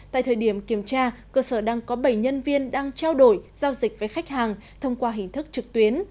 tại thời điểm kiểm tra cơ sở đang có bảy nhân viên đang trao đổi giao dịch với khách hàng thông qua hình thức trực tuyến